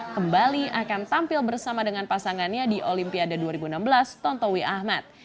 kembali akan tampil bersama dengan pasangannya di olimpiade dua ribu enam belas tontowi ahmad